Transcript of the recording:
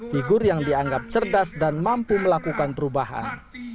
figur yang dianggap cerdas dan mampu melakukan perubahan